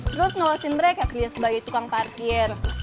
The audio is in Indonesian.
terus ngawasin mereka kerja sebagai tukang parkir